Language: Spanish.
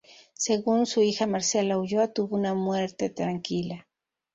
Según su hija Marcela Ulloa, tuvo una muerte tranquila.